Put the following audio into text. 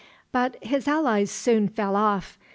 But his allies soon fell off.